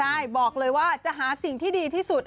ได้บอกเลยว่าจะหาสิ่งที่ดีที่สุด